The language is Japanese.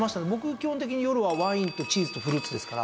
基本的に夜はワインとチーズとフルーツですから。